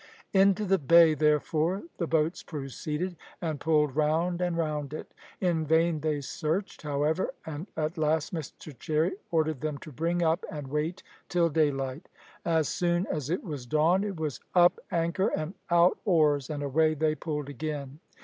Into the bay, therefore, the boats proceeded, and pulled round and round it. In vain they searched, however, and at last Mr Cherry ordered them to bring up and wait till daylight. As soon as it was dawn it was "Up anchor and out oars," and away they pulled again.